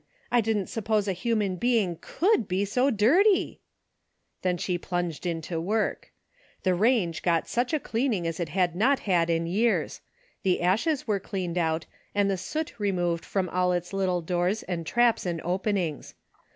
I didn't suppose a human being could be so dirty I " Then she plunged into work. The range got such a cleaning as it had not had in years. The ashes were cleaned out, and the soot removed from all its little doors and traps and openings.